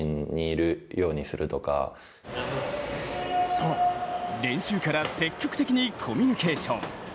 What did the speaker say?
そう、練習から積極的にコミュニケーション。